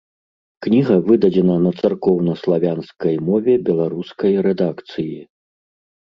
Кніга выдадзена на царкоўна-славянскай мове беларускай рэдакцыі.